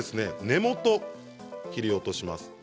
根元切り落とします。